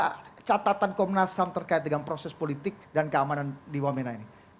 apa catatan komnas ham terkait dengan proses politik dan keamanan di wamena ini